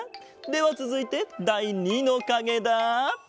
ではつづいてだい２のかげだ。